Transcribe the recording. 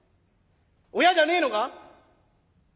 親じゃねえのか？